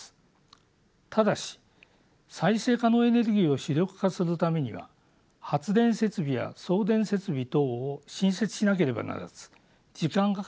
ただし再生可能エネルギーを主力化するためには発電設備や送電設備等を新設しなければならず時間がかかります。